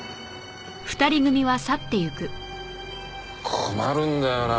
困るんだよな